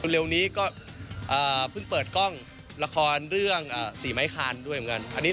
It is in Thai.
เร็วนี้ก็เพิ่งเปิดกล้องละครเรื่องสีไม้คานด้วยเหมือนกัน